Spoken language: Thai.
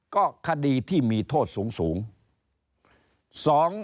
ก็คดีที่มีโทษสูง